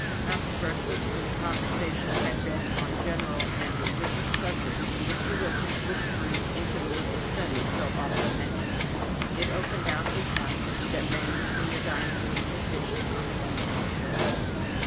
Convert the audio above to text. After breakfast, when the conversation had been on general and indifferent subjects, Mr. Wilkins withdrew into the little study so often mentioned. It opened out of a passage that ran between the dining room and the kitchen, on the left hand of the hall.